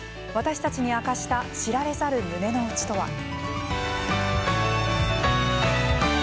私たちに明かした知られざる胸の内とは。